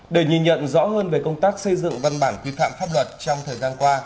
để nhìn nhận rõ hơn về công tác xây dựng văn bản quy phạm pháp luật trong thời gian qua